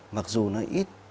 mặc dù nó ít